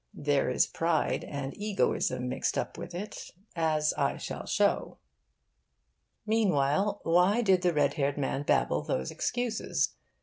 There is pride and egoism mixed up with it, as I shall show. Meanwhile, why did the red haired man babble those excuses?